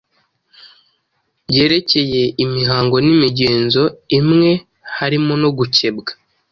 yerekeye imihango n’imigenzo imwe harimo no gukebwa,